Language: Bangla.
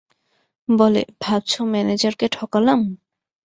বলে, ভাবছ ম্যানেজারকে ঠকালাম?